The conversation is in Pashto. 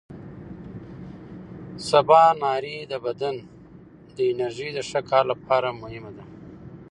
سباناري د بدن د انرژۍ د ښه کار لپاره مهمه ده.